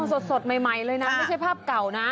สดใหม่เลยนะไม่ใช่ภาพเก่านะ